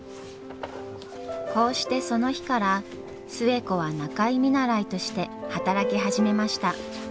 こうしてその日から寿恵子は仲居見習いとして働き始めました。